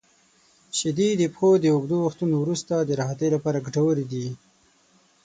• شیدې د پښو د اوږدو وختونو وروسته د راحتۍ لپاره ګټورې دي.